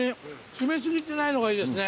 締め過ぎてないのがいいですね。